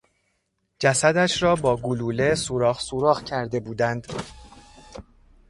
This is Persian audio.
جسدش را با گلوله سوراخ سوراخ کرده بودند.